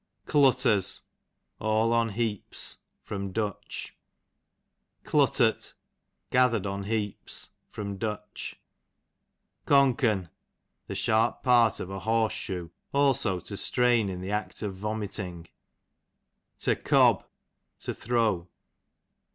Clutters, all on heaps. Du. Cluttert, gather' d on heaps. Du. Coaken, the sharp part of a horse shoe ; also to strain in the act of vomiting. To Cob, to throw.